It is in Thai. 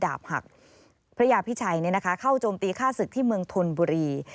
หักพระยาพิชัยเข้าโจมตีฆ่าศึกที่เมืองธนบุรี